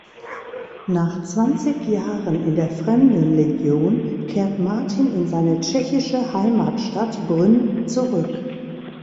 Nach zwanzig Jahren in der Fremdenlegion kehrt Martin in seine tschechische Heimatstadt Brünn zurück.